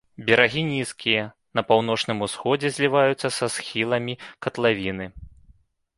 Берагі нізкія, на паўночным усходзе зліваюцца са схіламі катлавіны.